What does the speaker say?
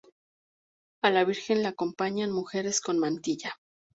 A la Virgen la acompañan mujeres con mantilla.